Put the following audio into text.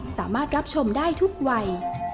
สามารถรับชมได้ทุกวัย